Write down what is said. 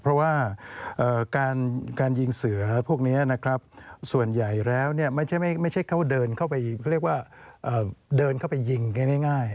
เพราะว่าการยิงเสือพวกนี้นะครับส่วนใหญ่แล้วไม่ใช่เขาเดินเข้าไปเขาเรียกว่าเดินเข้าไปยิงง่าย